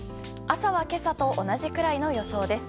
朝は今朝と同じくらいの予想です。